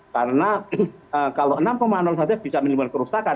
karena kalau enam mmi saja bisa menimbulkan kerusakan